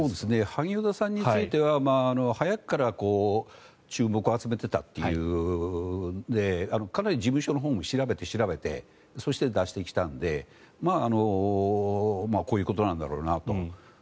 萩生田さんについては早くから注目を集めていたというのでかなり事務所のほうも調べて調べてそして、出してきたのでこういうことなんだろうなと。